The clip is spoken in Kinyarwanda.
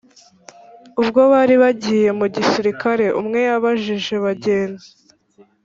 Ubwo bari bagiye umusirikare umwe yabajije bagenzi